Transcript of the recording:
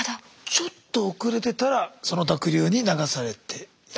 ちょっと遅れてたらその濁流に流されていた。